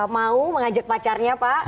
mau mengajak pacarnya pak